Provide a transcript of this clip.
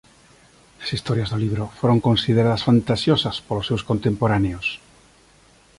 As historias do libro foron consideradas fantasiosas polos seus contemporáneos.